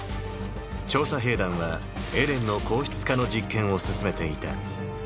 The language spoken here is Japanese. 調査兵団はエレンの硬質化の実験を進めていた。